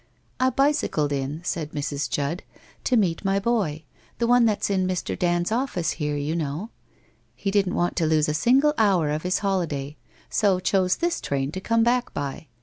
' I bicycled in/ said Mrs. Judd, ' to meet my boy, the one that's in Mr. Dand's office, here, you know. He didn't want to lose a single hour of his holiday, so chose this train to come back by.